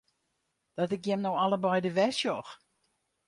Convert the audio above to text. Dat ik jim no allebeide wer sjoch!